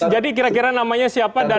jadi kira kira namanya siapa dan